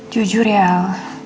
jujur ya al